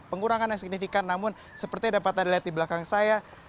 pengurangan yang signifikan namun seperti yang dapat anda lihat di belakang saya